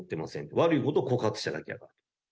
悪いこと告発しただけやから。